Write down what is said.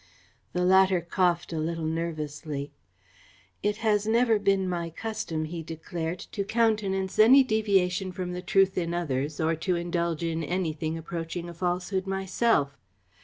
The latter coughed a little nervously. "It has never been my custom," he declared, "to countenance any deviation from the truth in others or to indulge in anything approaching a falsehood myself.